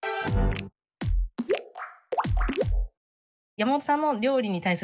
山本さんの料理に対する好き